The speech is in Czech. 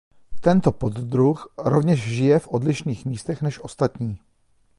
Tento poddruh rovněž žije v odlišných místech než ostatní.